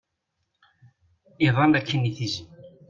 Iḍal akkin i tizi.